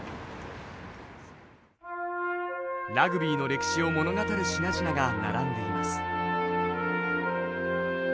ラグビーの歴史を物語る品々が並んでいます。